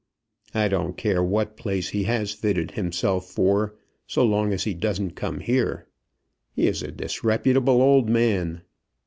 "I don't care what place he has fitted himself for, so long as he doesn't come here. He is a disreputable old man."